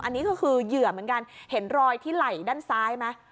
อันนี้ก็คือเหยื่อเหมือนกันเห็นรอยที่ไหล่ด้านซ้ายไหม